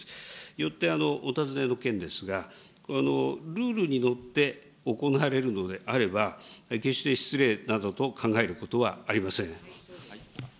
よってお尋ねの件ですが、ルールに乗って行われるのであれば、決して失礼などと考えることはありません。